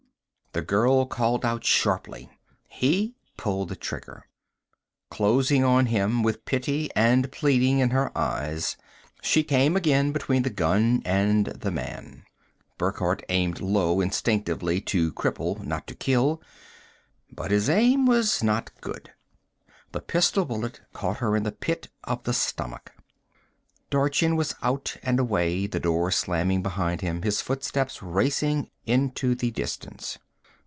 The girl called out sharply. He pulled the trigger. Closing on him with pity and pleading in her eyes, she came again between the gun and the man. Burckhardt aimed low instinctively, to cripple, not to kill. But his aim was not good. The pistol bullet caught her in the pit of the stomach. Dorchin was out and away, the door slamming behind him, his footsteps racing into the distance.